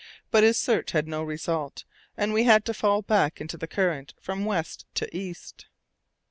But his search had no result, and we had to fall back into the current from west to east.